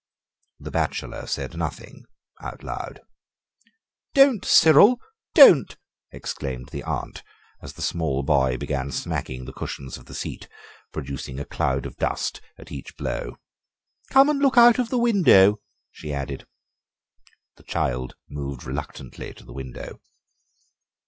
The bachelor said nothing out loud. "Don't, Cyril, don't," exclaimed the aunt, as the small boy began smacking the cushions of the seat, producing a cloud of dust at each blow. "Come and look out of the window," she added. The child moved reluctantly to the window.